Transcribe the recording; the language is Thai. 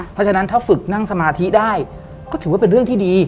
เพราะฉะนั้นถ้าฝึกนั่งสมาธิได้ก็ถือว่าเป็นเรื่องที่ดี